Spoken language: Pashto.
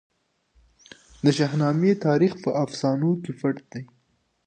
د شاهنامې تاریخ په افسانو کې پټ دی.